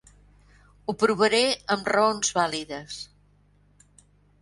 Ho provaré amb raons vàlides.